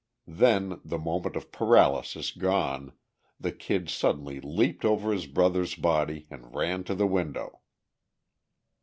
Then, the moment of paralysis gone, the Kid suddenly leaped over his brother's body and ran to the window.